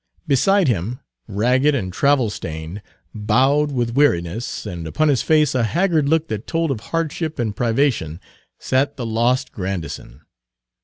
Beside him, ragged and travel stained, bowed with weariness, and upon his face a haggard look that told of hardship and privation, sat the lost Grandison.